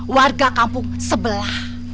warga kampung sebelah